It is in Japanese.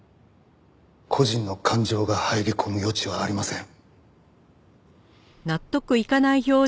個人の感情が入り込む余地はありません。